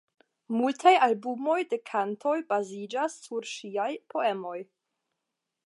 Multaj albumoj de kantoj baziĝas sur ŝiaj poemoj.